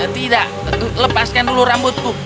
tidak lepaskan dulu rambutku